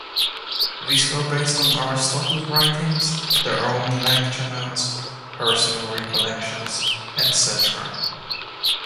These were based on Aristotle's writings, their own lecture notes, personal recollections, etcetera.